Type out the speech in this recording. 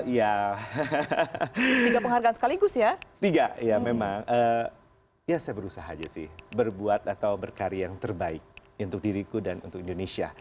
ya saya berusaha aja sih berbuat atau berkarya yang terbaik untuk diriku dan untuk indonesia